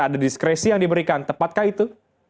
ada diskresi yang diberikan tepatkah itu